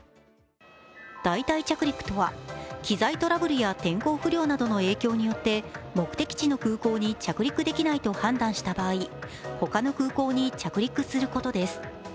代替着陸とは、機材トラブルや天候不良などの影響によって目的地の空港に着陸できないと判断した場合、他の空港に着陸することです。